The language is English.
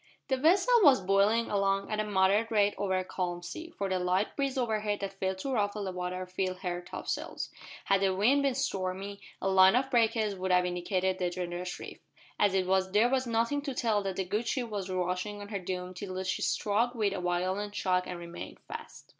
The vessel was bowling along at a moderate rate over a calm sea, for the light breeze overhead that failed to ruffle the water filled her topsails. Had the wind been stormy a line of breakers would have indicated the dangerous reef. As it was there was nothing to tell that the good ship was rushing on her doom till she struck with a violent shock and remained fast.